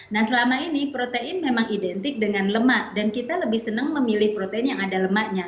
nah selama ini protein memang identik dengan lemak dan kita lebih senang memilih protein yang ada lemaknya